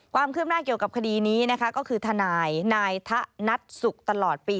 ความคืบหน้าเกี่ยวกับคดีนี้นะคะก็คือทนายนายทะนัดสุขตลอดปี